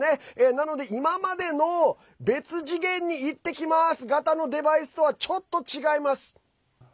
なので、今までの別次元に行ってきまーす型のデバイスとはちょっと違います。